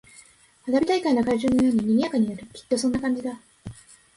花火大会の会場のように賑やかになる。きっとそんな感じだ。